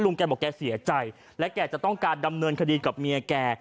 แกบอกแกเสียใจและแกจะต้องการดำเนินคดีกับเมียแก